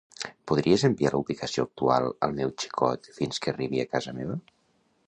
Podries enviar la ubicació actual al meu xicot fins que arribi a casa meva?